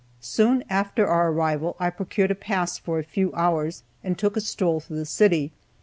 Soon after our arrival I procured a pass for a few hours, and took a stroll through the city.